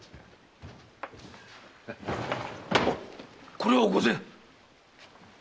これは御前。